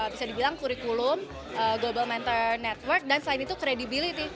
bisa dibilang kurikulum global mentor network dan selain itu credibility